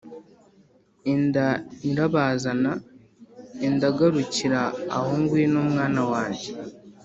‘enda nyirabazana, enda garukira aho ngwino mwana wanjye,